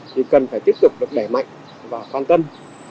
thì cần phải tiếp tục được đẩy mạnh và quan tâm